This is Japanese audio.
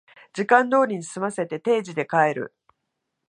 時間通りに済ませて定時で帰る